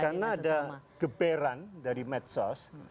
karena ada geberan dari medsos